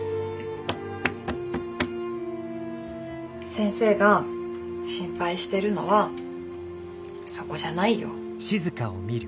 先生が心配してるのはそこじゃないよ。